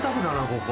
ここ。